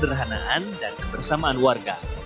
keberadaan dan kebersamaan warga